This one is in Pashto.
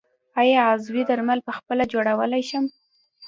آیا عضوي درمل پخپله جوړولی شم؟